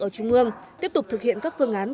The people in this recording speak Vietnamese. ở trung ương tiếp tục thực hiện các phương án